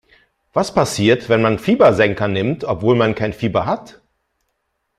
Was passiert, wenn man Fiebersenker nimmt, obwohl man kein Fieber hat?